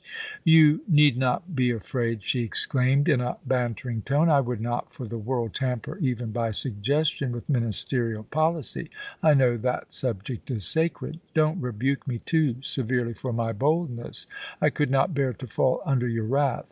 * You need not be afraid,' she exclaimed, in a bantering tone ;* I would not for the world tamper even by suggestion with Ministerial policy — I know that subject is sacred. Don't rebuke me too severely for my boldness ; I could not bear to fall under your wrath.